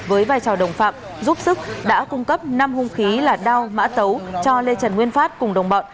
với vai trò đồng phạm giúp sức đã cung cấp năm hung khí là đao mã tấu cho lê trần nguyên phát cùng đồng bọn